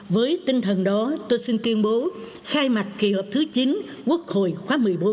với tinh thần đó tôi xin tuyên bố khai mạc kỳ họp thứ chín quốc hội khóa một mươi bốn